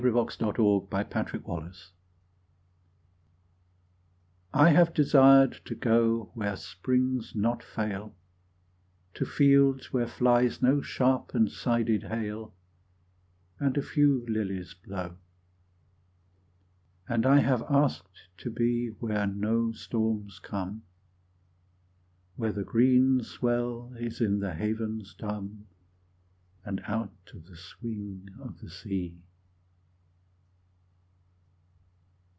A! HOPWOOD I HAVE DESIRED TO GO I HAVE desired to go Where springs not fail, To fields where flies no sharp and sided hail, And a few lilies blow. And I have asked to be Where no storms come, Where the green swell is in the havens dumb, And out of the swing of the sea.